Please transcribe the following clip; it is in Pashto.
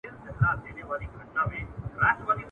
د ډاکټرانو امنیت څنګه تضمین کیږي؟